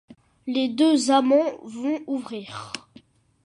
Les deux amants vont ouvrir.